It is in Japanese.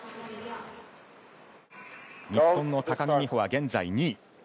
日本の高木美帆は現在２位。